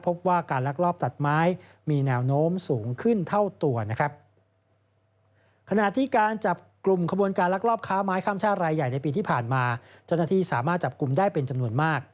พบว่าการลักรอบตัดไม้มีแนวโน้มสูงขึ้นเท่าตัว